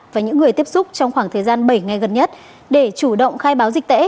và những người tiếp xúc trong khoảng thời gian bảy ngày gần nhất để chủ động khai báo dịch tễ